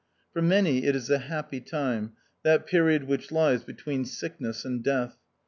For many it is a happy time, that period which lies between sickness and health.